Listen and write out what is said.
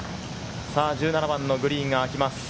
さぁ、１７番のグリーンがあきます。